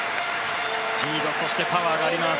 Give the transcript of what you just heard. スピードそしてパワーがあります